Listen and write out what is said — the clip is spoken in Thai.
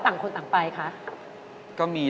ต่างคนต่างไปคะก็มี